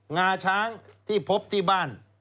งาช้างที่พบที่บ้าน